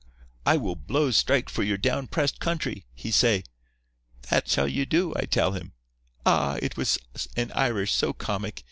"I will blows strike for your down pressed country," he say. "That shall you do," I tell him. Ah! it was an Irish so comic.